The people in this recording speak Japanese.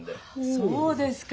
そうですか。